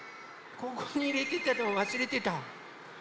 ここにいれてたのをわすれてた。